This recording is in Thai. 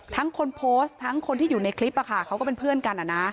ทั้งคนโพสต์ทั้งคนที่อยู่ในคลิปเขาก็เป็นเพื่อนกัน